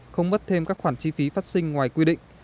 không mất thêm các khoản chi phí phát sinh ngoài quy định